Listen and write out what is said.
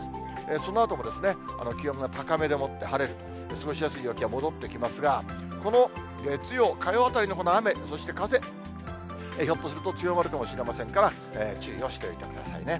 そのあとも気温が高めでもって晴れると、過ごしやすい陽気が戻ってきますが、この月曜、火曜あたりの雨、そして風、ひょっとすると強まるかもしれませんから、注意をしておいてくださいね。